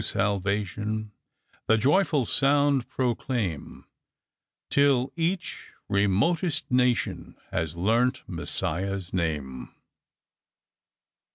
salvation ! The joyful sound proclaim, Till each remotest nation Has learnt Messiah's name."